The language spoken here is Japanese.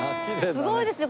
すごいですね。